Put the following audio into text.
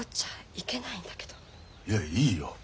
いやいいよ。